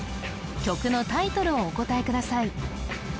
曲のタイトルをお答えください